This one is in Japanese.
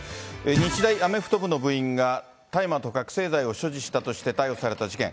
日大アメフト部の部員が、大麻と覚醒剤を所持したとして逮捕された事件。